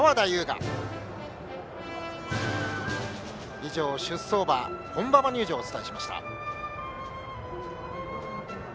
以上、出走馬本馬場入場をお伝えしました。